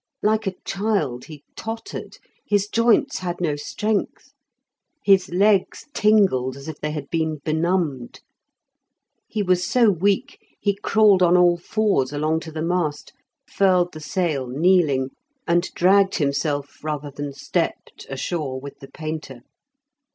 Like a child he tottered, his joints had no strength, his legs tingled as if they had been benumbed. He was so weak he crawled on all fours along to the mast, furled the sail kneeling, and dragged himself rather than stepped ashore with the painter.